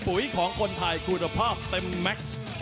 ของคนไทยคุณภาพเต็มแม็กซ์